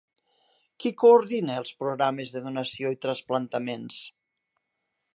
Qui coordina els Programes de Donació i Trasplantaments?